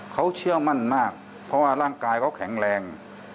เขาเชื่อมั่นมากเพราะว่าร่างกายเขาแข็งแรง